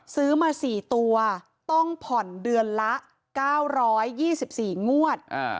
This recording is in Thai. ซื้อมา๔ตัวต้องผ่อนเดือนละ๙๒๔งวด